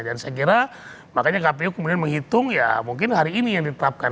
dan saya kira makanya kpu kemudian menghitung ya mungkin hari ini yang ditetapkan